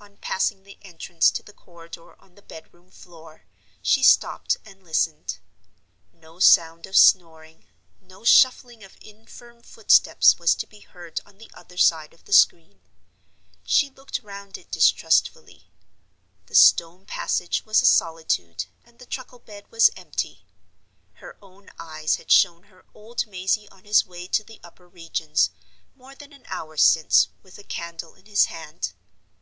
On passing the entrance to the corridor on the bedroom floor, she stopped and listened. No sound of snoring, no shuffling of infirm footsteps was to be heard on the other side of the screen. She looked round it distrustfully. The stone passage was a solitude, and the truckle bed was empty. Her own eyes had shown her old Mazey on his way to the upper regions, more than an hour since, with a candle in his hand.